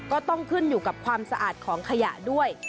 ก็ต้องขึ้นอยู่กับความสะอาดของขยะด้วย